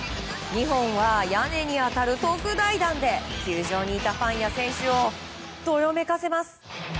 ２本は屋根に当たる特大弾で球場にいたファンや選手をどよめかせます。